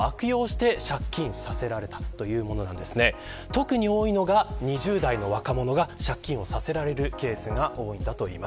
特に多いのが２０代の若者が借金をさせられるケースです。